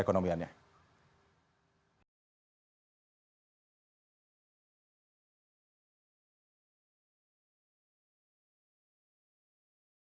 dan menjadi negara yang semakin stabil perekonomiannya